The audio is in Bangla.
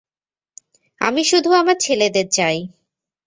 আমি শুধু আমার ছেলেদের চাই।